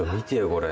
これ。